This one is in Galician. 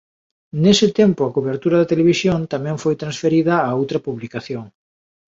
Nese tempo a cobertura da televisión tamén foi transferida a outra publicación.